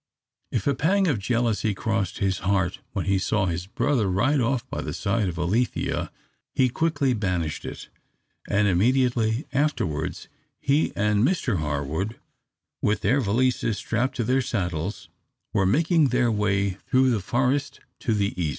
If a pang of jealousy crossed his heart when he saw his brother ride off by the side of Alethea, he quickly banished it, and immediately afterwards he and Mr Harwood, with their valises strapped to their saddles, were making their way through the forest to the east.